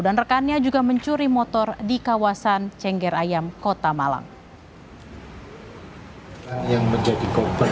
dan rekannya juga mencuri motor di kawasan cenggerayam kota malang yang menjadi kompet